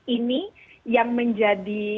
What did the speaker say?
ini yang menjadi